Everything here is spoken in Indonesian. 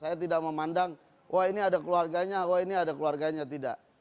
saya tidak memandang wah ini ada keluarganya wah ini ada keluarganya tidak